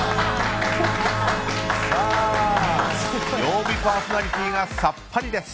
さあ、曜日パーソナリティーがさっぱりです。